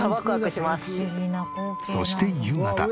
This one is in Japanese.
そして夕方。